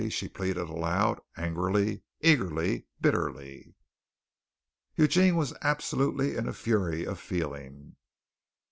she pleaded aloud, angrily, eagerly, bitterly. Eugene was absolutely in a fury of feeling.